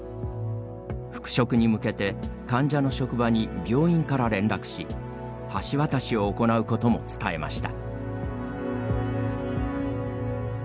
復職に向けて患者の職場に病院から連絡し橋渡しを行うことも伝えました。